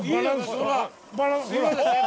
すいません。